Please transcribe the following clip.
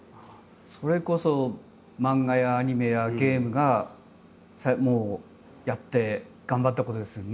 それこそ漫画やアニメやゲームがやって頑張ったことですよね。